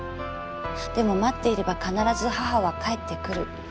でも待っていれば必ず母は帰ってくる。